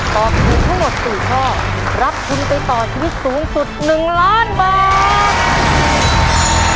ตอบถูกทั้งหมด๔ข้อรับทุนไปต่อชีวิตสูงสุด๑ล้านบาท